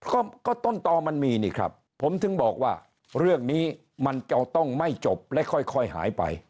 ก็ก็ต้นต่อมันมีนี่ครับผมถึงบอกว่าเรื่องนี้มันจะต้องไม่จบและค่อยหายไป